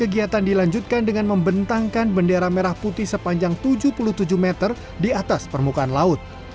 bapak gubernur sumbar menangkan bendera merah putih sepanjang tujuh puluh tujuh m di atas permukaan laut